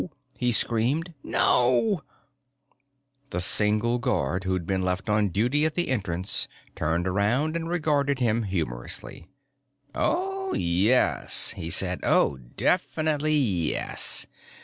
_" he screamed. "No!" The single guard who'd been left on duty at the entrance turned around and regarded him humorously. "Oh, yes," he said. "Oh, definitely yes!